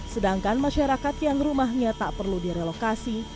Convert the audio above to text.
sedangkan masyarakat yang rumahnya tak perlu direlokasi